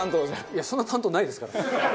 いやそんな担当ないですから。